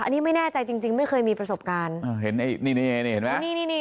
อันนี้ไม่แน่ใจจริงจริงไม่เคยมีประสบการณ์อ่าเห็นไอ้นี่นี่เห็นไหมนี่นี่